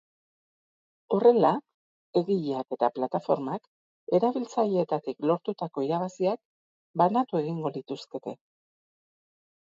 Horrela, egileak eta plataformak erabiltzaileetatik lortutako irabaziak banatu egingo lituzkete.